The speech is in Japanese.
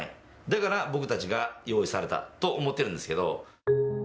だから僕たちが用意されたと思っているんですけど。